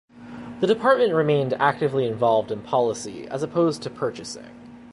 The department remained actively involved in policy as opposed to purchasing.